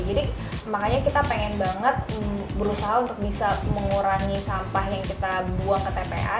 jadi makanya kita pengen banget berusaha untuk bisa mengurangi sampah yang kita buang ke tpa